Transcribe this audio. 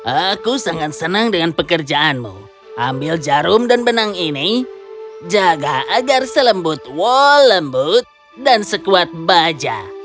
aku sangat senang dengan pekerjaanmu ambil jarum dan benang ini jaga agar selembut wall lembut dan sekuat baja